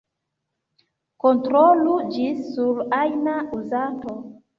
Kontrolu ĝin sur ajna uzanto.